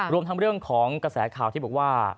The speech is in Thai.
รวมทั้งเรื่องของกระแสข่าวที่บอกว่า